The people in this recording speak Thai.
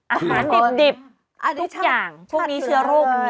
อาหารดิบทุกอย่างพวกนี้เชื้อโรค